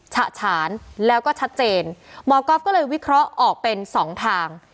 ฉะฉานแล้วก็ชัดเจนหมอก๊อฟก็เลยวิเคราะห์ออกเป็นสองทาง